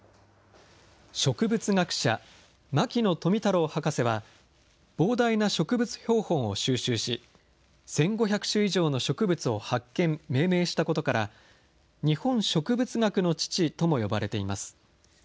植物学者、牧野富太郎博士は、膨大な植物標本を収集し、１５００種以上の植物を発見・命名したことから、日本植物学の父とも呼ばれています。